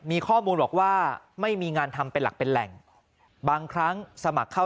มีข้อมูลบอกว่าไม่มีงานทำเป็นหลักเป็นแหล่งบางครั้งสมัครเข้า